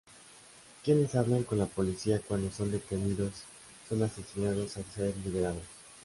Quienes hablan con la policía cuando son detenidos son asesinados al ser liberados.